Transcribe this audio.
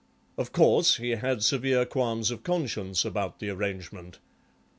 Of course, he had severe qualms of conscience about the arrangement.